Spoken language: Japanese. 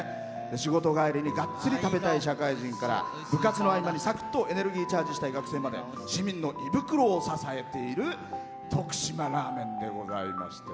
仕事帰りにがっつり食べたい社会人から部活の合間にさくっとエネルギーチャージしたい学生まで市民の胃袋を支えている徳島ラーメンでございます。